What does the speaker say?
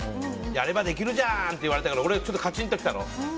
やればできるじゃんって言われたから俺、カチンときたの。